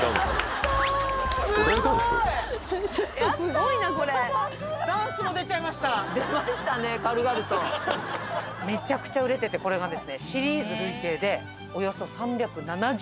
すごい！これがですね。